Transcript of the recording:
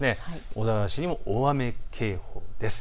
小田原市にも大雨警報です。